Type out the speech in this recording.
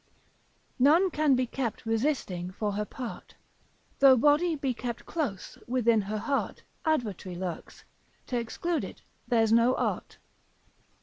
None can be kept resisting for her part; Though body be kept close, within her heart Advoutry lurks, t'exclude it there's no art.